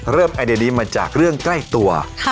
เริ่มไอนี้ดีมาจากเรื่องใกล้ตัว